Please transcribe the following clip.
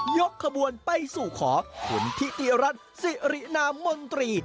ยกขบวนไปสู่ขอคุณทิเตียรัติสิรินามมนตรี